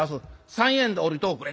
三円で下りとおくれ」。